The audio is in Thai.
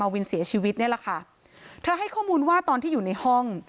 วินเสียชีวิตนี่แหละค่ะเธอให้ข้อมูลว่าตอนที่อยู่ในห้อง